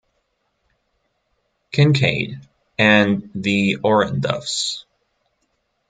Kincaid, and the Orenduffs.